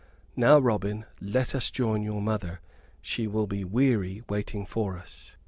"Now, Robin, let us join your mother. She will be weary waiting for us."